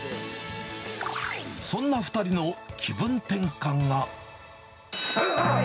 そんな２人の気分転換が。